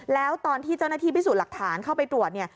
แล้วตอนที่เจ้าหน้าที่พิสูจน์หลักฐานเข้าไปตรวจเนี่ย